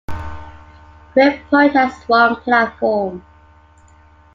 Crib Point has one platform.